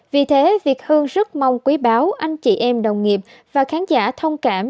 vì thế việt hương rất mong quý báo anh chị em đồng nghiệp và khán giả thông cảm